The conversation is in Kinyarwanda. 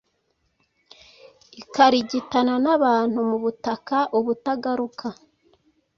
ikarigitana n’abantu mu butaka ubutagaruka.